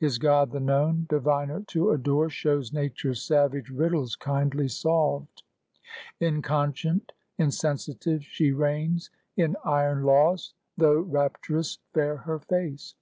His God the Known, diviner to adore, Shows Nature's savage riddles kindly solved. Inconscient, insensitive, she reigns In iron laws, though rapturous fair her face.